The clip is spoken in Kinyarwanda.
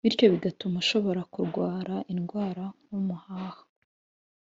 bityo bigatuma ushobora kurwara indwara nk’umuhaha